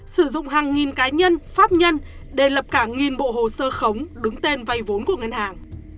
sử dụng hàng nghìn cá nhân pháp nhân để lập cả nghìn bộ hồ sơ khống đứng tên vay vốn của ngân hàng